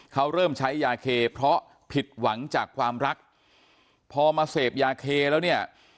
เขาเริ่มใช้ยาเคเพราะผิดหวังจากความรักพอมาเสพยาเคแล้วเนี่ย